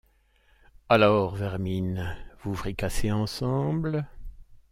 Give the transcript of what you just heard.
Alors, vermines, vous fricassez ensemble ?…